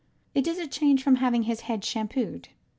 It is a change from having his head shampooed.